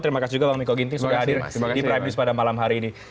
terima kasih juga bang miko ginting sudah hadir di prime news pada malam hari ini